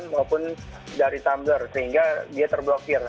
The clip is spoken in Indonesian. maupun dari tumbler sehingga dia terblokir